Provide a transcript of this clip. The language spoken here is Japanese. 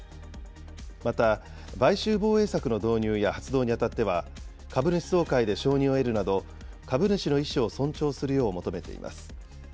また、買収防衛策の導入や、発動にあたっては、株主総会で承認を得るなど、株主の意思を尊重するよう求めています。